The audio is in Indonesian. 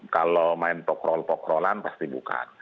kalau main pokrol pokrolan pasti bukan